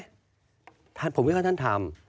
สมมติปปชท่านผมไม่ไหว้ท่านทำ